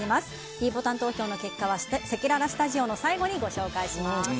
ｄボタン投票の結果はせきららスタジオの最後にご紹介します。